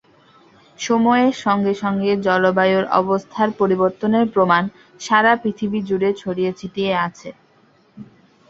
সময়ের সঙ্গে সঙ্গে জলবায়ুর অবস্থার পরিবর্তনের প্রমাণ সারা পৃথিবী জুড়ে ছড়িয়ে ছিটিয়ে আছে।